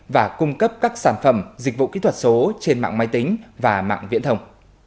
và cung cấp các sản phẩm dịch vụ kỹ thuật số trên mạng máy tính và mạng viễn thông